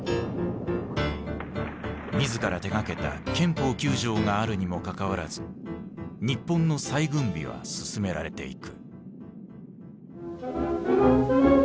自ら手がけた憲法９条があるにもかかわらず日本の再軍備は進められていく。